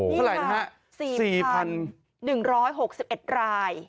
เท่าไหร่นะฮะ๔๑๖๑ราย